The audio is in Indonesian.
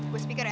gue speaker ya